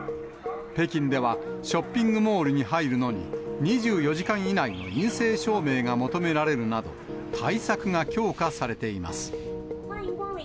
北京では、ショッピングモールに入るのに、２４時間以内の陰性証明が求められるなど、対策が強化されています。